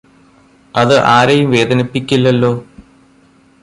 അത് ആരെയും വേദനിപ്പിക്കില്ലല്ലോ